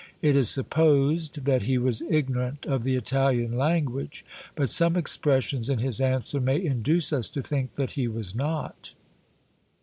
It is supposed that he was ignorant of the Italian language, but some expressions in his answer may induce us to think that he was not.